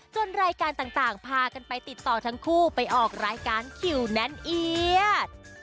รายการต่างพากันไปติดต่อทั้งคู่ไปออกรายการคิวแน่นเอียด